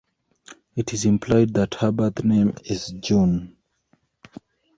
It is implied that her birth name is June.